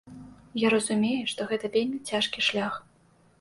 Я разумею, што гэта вельмі цяжкі шлях.